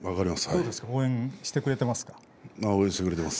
応援してくれてます。